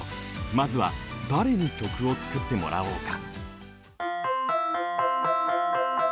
まずは誰に曲を作ってもらおうか。